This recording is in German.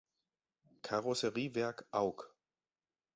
Karosseriewerk Aug.